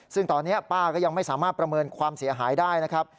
ซึ่งตอนนี้ป้าก็ยังไม่สามารถประเมินความเสียหายได้นะครับ